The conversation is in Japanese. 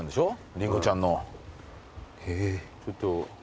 りんごちゃんの。